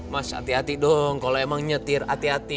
mas hati hati dong kalau emang nyetir hati hati